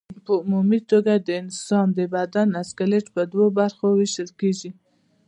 په عمومي توګه د انسان د بدن سکلېټ په دوو برخو ویشل کېږي.